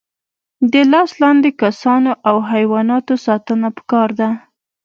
د لاس لاندې کسانو او حیواناتو ساتنه پکار ده.